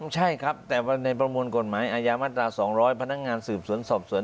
ใช่ครับแต่ว่าในประมวลกฎหมายอาญามาตรา๒๐๐พนักงานสืบสวนสอบสวน